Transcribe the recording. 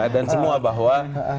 dan semua bahwa